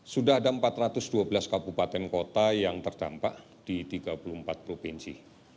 sudah ada empat ratus dua belas kabupaten kota yang terdampak di tiga puluh empat provinsi